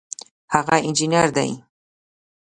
هغه انجینر دی